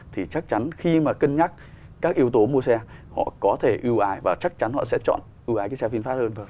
thì chắc chắn khi mà cân nhắc các yếu tố mua xe họ có thể ưu ái và chắc chắn họ sẽ chọn ưu ái cái xe vinfast hơn